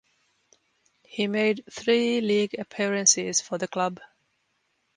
He made three league appearances for the club.